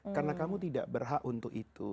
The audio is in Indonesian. karena kamu tidak berhak untuk itu